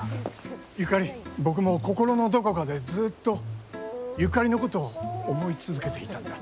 ゆかり、僕も心のどこかでずっとゆかりのことを思い続けていたんだ。